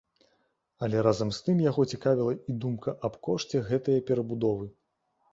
Але разам з тым яго цікавіла і думка аб кошце гэтае перабудовы.